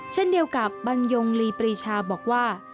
เช่นเดียวกับบรรยงลีปรีชาบอกว่า